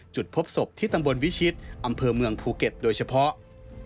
จุดพบศพที่ตำบลวิชิตอำเภอเมืองภูเก็ตโดยเฉพาะ